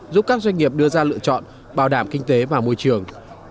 giúp các doanh nghiệp đưa ra lựa chọn bảo đảm kinh tế và môi trường